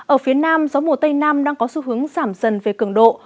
ở phía nam gió mùa tây nam đang có xu hướng giảm dần về cường độ